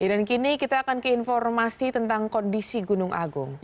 dan kini kita akan keinformasi tentang kondisi gunung agung